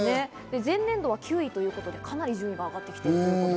前年度は９位ということで、かなり上がってきています。